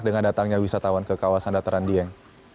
dengan datangnya wisatawan ke kawasan dataran dieng